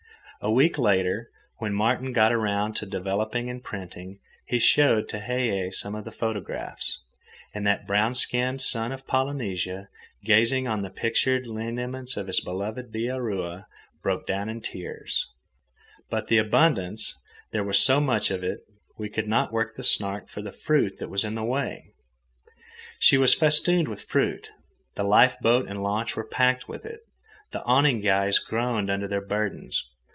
A week later, when Martin got around to developing and printing, he showed Tehei some of the photographs. And that brown skinned son of Polynesia, gazing on the pictured lineaments of his beloved Bihaura broke down in tears. But the abundance! There was so much of it. We could not work the Snark for the fruit that was in the way. She was festooned with fruit. The life boat and launch were packed with it. The awning guys groaned under their burdens.